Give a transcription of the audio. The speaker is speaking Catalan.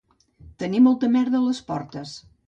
Tenir molta merda a les portes